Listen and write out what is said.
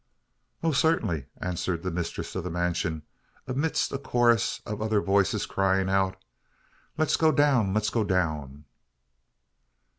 "Oh, certainly," answered the mistress of the mansion, amidst a chorus of other voices crying out "Let us go down! Let us go down!"